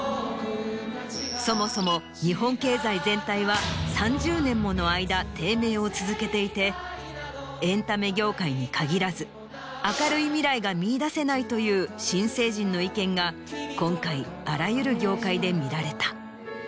そもそも日本経済全体は３０年もの間低迷を続けていてエンタメ業界に限らず明るい未来が見いだせないという新成人の意見が今回あらゆる業界で見られた。